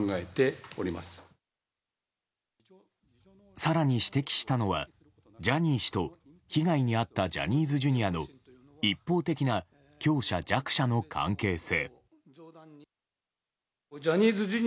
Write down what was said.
更に、指摘したのはジャニー氏と、被害に遭ったジャニーズＪｒ．の一方的な強者・弱者の関係性。